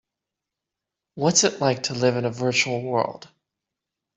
What's it like to live in a virtual world?